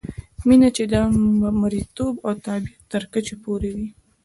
مینه چې د مریتوب او تابعیت تر کچې پورې وي.